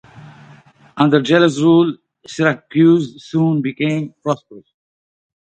Under Gelo's rule, Syracuse soon became prosperous.